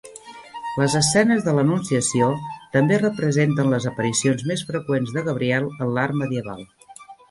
Les escenes de l'Anunciació també representen les aparicions més freqüents de Gabriel en l'art medieval.